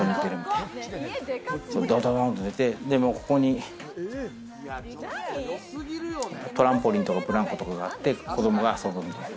ドドドドッと寝て、ここに、トランポリンとブランコとかがあって、子供が遊ぶみたいな。